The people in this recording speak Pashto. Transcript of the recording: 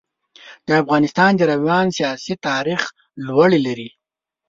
د افغانستان د روان سیاسي تاریخ لوړې لري.